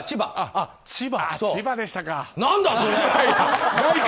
あっ、千葉でしたか。